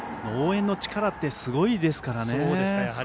応援の力ってすごいですからね。